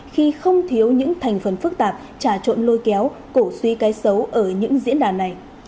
khi không thiếu những thành phần phức tạp trà trộn lôi kéo cổ suy cái xấu ở những diễn đàn này